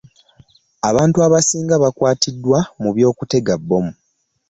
Abantu abasinga bakwatidwa mu byokutega bbomu.